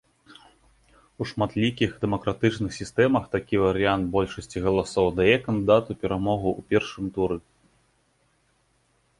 У шматлікіх дэмакратычных сістэмах, такі варыянт большасці галасоў дае кандыдату перамогу ў першым туры.